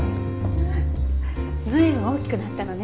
随分大きくなったのね。